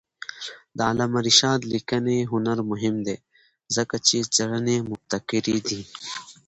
د علامه رشاد لیکنی هنر مهم دی ځکه چې څېړنې مبتکرې دي.